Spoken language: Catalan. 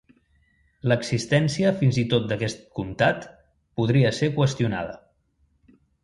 L'existència fins i tot d'aquest comtat podia ser qüestionada.